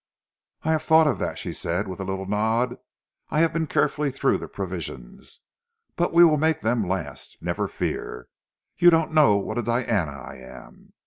"I have thought of that," she said with a little nod. "I have been carefully through the provisions. But we will make them last, never fear! You don't know what a Diana I am."